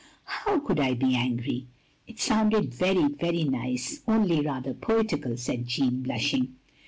"How could I be angry? It sounded very — very nice, only rather poetical," said Jeanne, blushing.